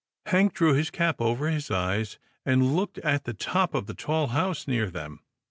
Hank drew his cap over his eyes, and looked at the top of the tall house near them.